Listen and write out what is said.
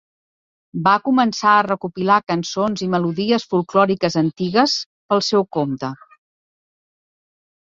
Va començar a recopilar cançons i melodies folklòriques antigues pel seu compte.